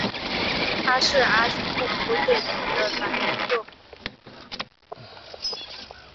它是阿西莫夫最得意的短篇作品。